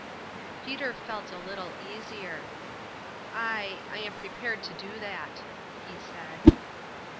Peter felt a little easier. " I I am prepared to do that," he said.